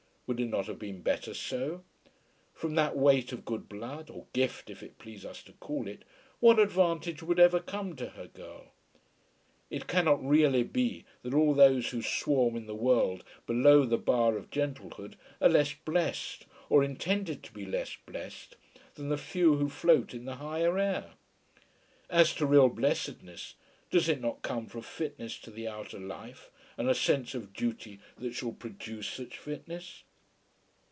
Would it not have been better so? From that weight of good blood, or gift, if it please us to call it, what advantage would ever come to her girl? It can not really be that all those who swarm in the world below the bar of gentlehood are less blessed, or intended to be less blessed, than the few who float in the higher air. As to real blessedness, does it not come from fitness to the outer life and a sense of duty that shall produce such fitness?